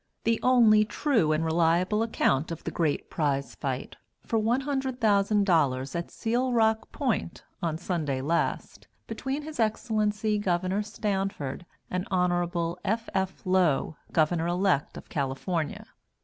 The Only True and Reliable Account of THE GREAT PRIZE FIGHT, _For $100,000, at Seal Rock Point, on Sunday Last, Between His Excellency Gov. Stanford and Hon. F. F. Low, Governor Elect of California.